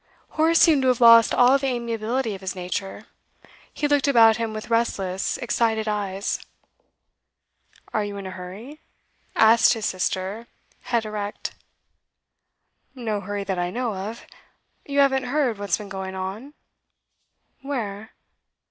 Horace seemed to have lost all the amiability of his nature; he looked about him with restless, excited eyes. 'Are you in a hurry?' asked his sister, head erect. 'No hurry that I know of. You haven't heard what's been going on?' 'Where?